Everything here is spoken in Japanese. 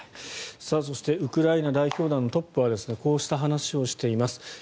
そしてウクライナ代表団トップはこうした話をしています。